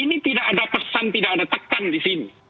ini tidak ada pesan tidak ada tekan disini